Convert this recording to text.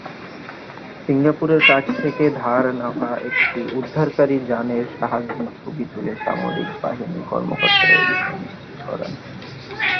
সিঙ্গাপুরের কাছ থেকে ধার নেওয়া একটি উদ্ধারকারী যানের সাহায্যে ছবি তুলে সামরিক বাহিনীর কর্মকর্তারা এবিষয়ে নিশ্চিত করেন।